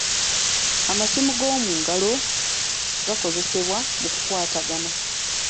Amasimu g'omu ngalo gakozesebwa mu kukwatagana.